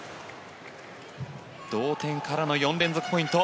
同点からの４連続ポイント。